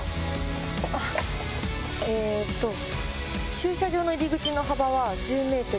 駐車場の入り口の幅は１０ｍ。